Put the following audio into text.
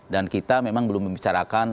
dan kita memang belum membicarakan